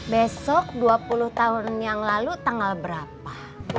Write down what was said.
besok dua puluh tahun yang lalu tanggal berapa